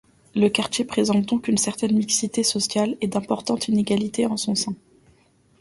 Le quartier présente donc une certaine mixité sociale et d'importantes inégalités en son sein.